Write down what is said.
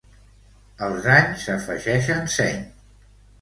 Els anys afegeixen seny!